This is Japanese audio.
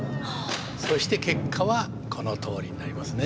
そして結果はこのとおりになりますね。